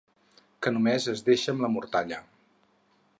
Que només es deixa amb la mortalla.